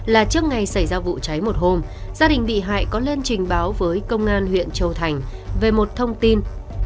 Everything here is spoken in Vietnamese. là trước ngày xảy ra vụ cháy một hôm gia đình bị hại có lên trình báo với công an huyện châu thành về một thông tin